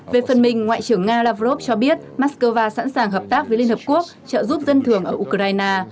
về phần mình ngoại trưởng nga lavrov cho biết moscow sẵn sàng hợp tác với liên hợp quốc trợ giúp dân thường ở ukraine